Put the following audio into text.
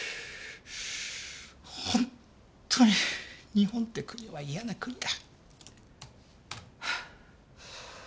本当に日本って国は嫌な国だ。